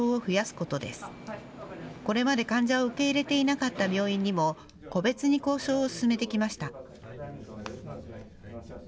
これまで患者を受け入れていなかった病院にも個別に交渉を進めてきました。